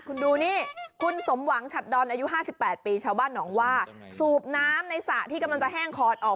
คุณดูนี่คุณสมหวังฉัดดอนอายุ๕๘ปีชาวบ้านหนองว่าสูบน้ำในสระที่กำลังจะแห้งขอดออก